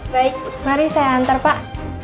baik mari saya antar pak